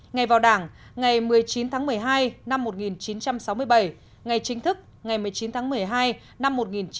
ngày vào đảng ngày một mươi chín tháng một mươi hai năm một nghìn chín trăm sáu mươi bảy ngày chính thức ngày một mươi chín tháng một mươi hai năm một nghìn chín trăm bảy mươi năm